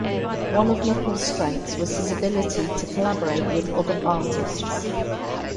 One of Nichol's strengths was his ability to collaborate with other artists.